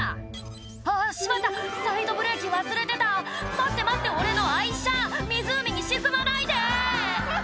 「あっしまったサイドブレーキ忘れてた」「待って待って俺の愛車湖に沈まないで！」